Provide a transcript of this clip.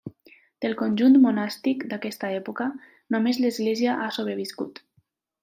Del conjunt monàstic d'aquesta època, només l'església ha sobreviscut.